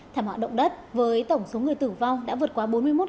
thảm họa động đất với tổng số người tử vong đã vượt qua bốn mươi một